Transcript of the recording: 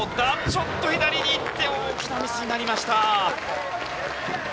ちょっと左に行って大きなミスになりました。